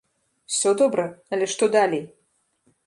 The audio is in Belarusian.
Усё добра, але што далей?